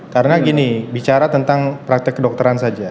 karena gini bicara tentang praktik kedokteran saja